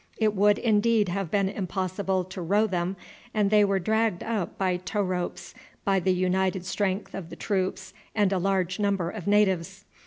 It would indeed have been impossible to row them, and they were dragged up by tow ropes by the united strength of the troops and a large number of natives.